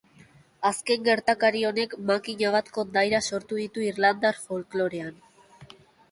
Azken gertakari honek makina bat kondaira sortu ditu irlandar folklorean.